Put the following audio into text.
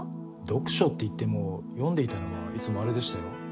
読書っていっても読んでいたのはいつもあれでしたよ。